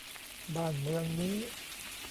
บ้านเมืองนี้